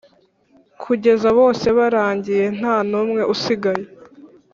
kugeza bose barangiye nta numwe usigaye